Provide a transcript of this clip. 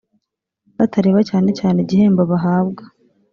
batareba cyane cyane igihembo bahabwa